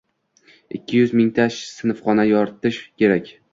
Ikki yuz mingta sinfxonani yoritish kerak.